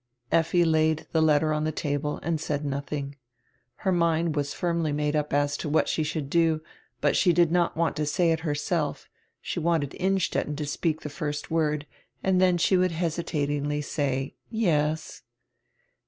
Effi laid die letter on die table and said nothing. Her mind was firmly made up as to what she should do, but she did not want to say it herself. She wanted Innstetten to speak die first word and tiien she would hesitatingly say, "yes."